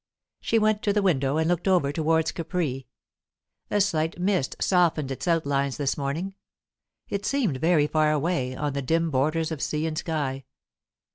She went to the window and looked over towards Capri. A slight mist softened its outlines this morning; it seemed very far away, on the dim borders of sea and sky.